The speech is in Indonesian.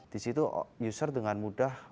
di situ user dengan mudah